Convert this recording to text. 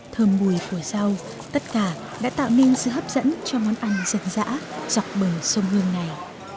thơm mùi của rau tất cả đã tạo nên sự hấp dẫn cho món ăn dân dã dọc bờ sông hương này